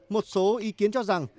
một số ý kiến cho rằng